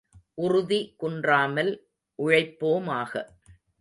உறுதி குன்றாமல் உழைப்போமாக.